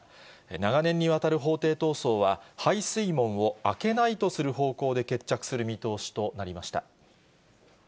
長年にわたる法廷闘争は、排水門を開けないとする方向で決着する見通しとなりました。